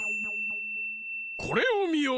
これをみよ！